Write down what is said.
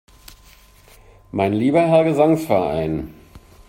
Mein lieber Herr Gesangsverein!